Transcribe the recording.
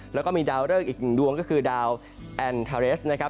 แล้วก็มีดาวเริกอีกหนึ่งดวงก็คือดาวแอนทาเรสนะครับ